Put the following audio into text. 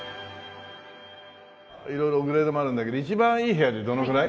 色々グレードもあるんだけど一番いい部屋でどのぐらい？